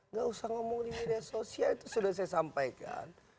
gak usah ngomong di media sosial itu sudah saya sampaikan